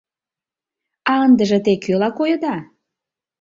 А ындыже те кӧла койыда?